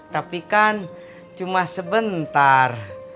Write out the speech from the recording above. tapi kan cuma sebentar